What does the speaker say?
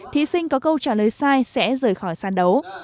thí sinh có câu trả lời sai sẽ rời khỏi sàn đấu